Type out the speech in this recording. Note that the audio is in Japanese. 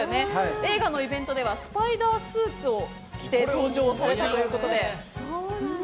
映画のイベントではスパイダースーツを着て登場されたということで。